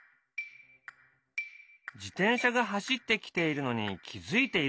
自転車が走ってきているのに気付いているかな？